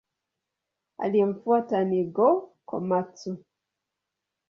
Aliyemfuata ni Go-Komatsu.